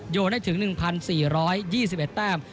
โยนให้ถึง๑๔๒๑แต้ม